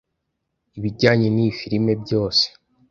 ibijyanye n’iyi filime byose